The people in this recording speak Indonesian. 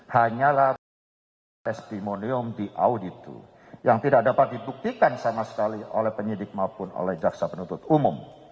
hanyalah proses testimonium di audit dua yang tidak dapat dibuktikan sama sekali oleh penyidik maupun oleh jaksa penuntut umum